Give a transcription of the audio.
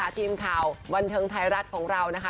ทีมข่าวบันเทิงไทยรัฐของเรานะคะ